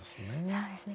そうですね。